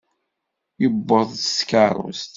Yewweḍ-d s tkeṛṛust.